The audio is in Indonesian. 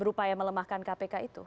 berupaya melemahkan kpk itu